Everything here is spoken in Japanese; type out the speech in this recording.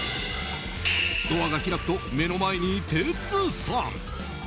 ドアが開くと目の前にテツさん。